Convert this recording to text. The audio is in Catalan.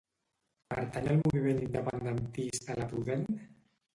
Pertany al moviment independentista la Prudent?